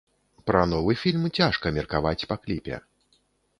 Пра новы фільм цяжка меркаваць па кліпе.